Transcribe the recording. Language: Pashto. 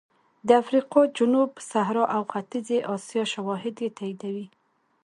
د افریقا جنوب صحرا او ختیځې اسیا شواهد یې تاییدوي